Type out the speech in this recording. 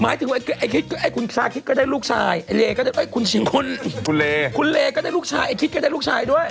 หมายถึงว่าไอ้คุณชาคริสก็ได้ลูกชายไอ้คุณเลก็ได้ลูกชายไอ้คิดก็ได้ลูกชายด้วย